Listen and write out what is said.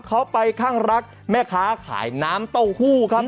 เขาไปข้างรักแม่ค้าขายน้ำเต้าหู้ครับ